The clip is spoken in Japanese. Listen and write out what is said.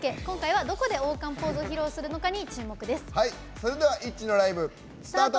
それでは ＩＴＺＹ のライブ、スタート。